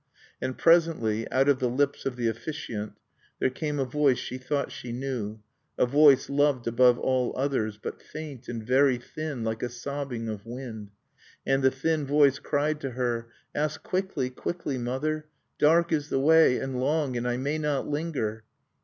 And presently, out of the lips of the officiant there came a voice she thought she knew, a voice loved above all others, but faint and very thin, like a sobbing of wind. And the thin voice cried to her: "Ask quickly, quickly, mother! Dark is the way and long; and I may not linger."